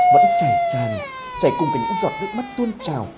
vẫn chẳng tràn chảy cùng cả những giọt nước mắt tuôn trào